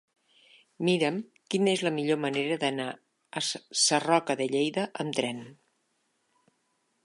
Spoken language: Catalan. Mira'm quina és la millor manera d'anar a Sarroca de Lleida amb tren.